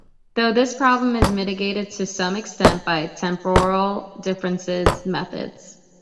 Though this problem is mitigated to some extent by temporal difference methods.